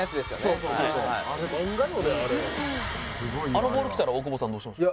あのボール来たら大久保さんどうします？